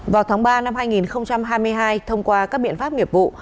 vào tháng ba năm hai nghìn hai mươi hai thông qua các biện pháp nghiệp vụ